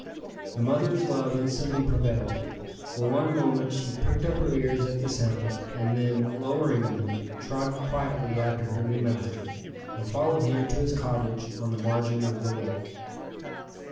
The mother's love instantly prevailed. For one moment she pricked up her ears at the sound, and then, lowering them, trotted quietly after her new master, and followed him to his cottage on the margin of the lake.